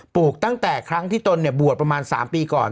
ลูกตั้งแต่ครั้งที่ตนบวชประมาณ๓ปีก่อน